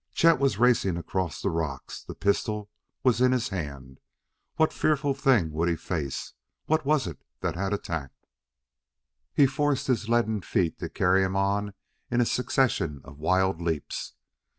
Chet was racing across the rocks; the pistol was in his hand. What fearful thing would he face? What was it that had attacked? He forced his leaden feet to carry him on in a succession of wild leaps.